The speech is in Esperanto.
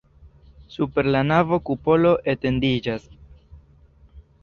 Super la navo kupolo etendiĝas.